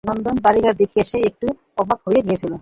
নন্দর বাড়িঘর দেখিয়া সে একটু অবাক হইয়া গিয়াছিল।